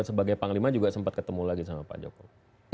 dan sebagai panglima juga sempat ketemu lagi sama pak jokowi